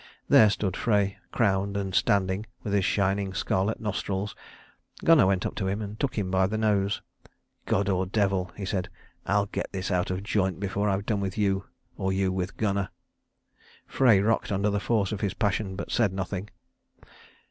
There stood Frey, crowned and standing, with his shining scarlet nostrils. Gunnar went up to him and took him by the nose. "God or devil," he said, "I'll get this out of joint before I've done with you, or you with Gunnar." Frey rocked under the force of his passion, but said nothing.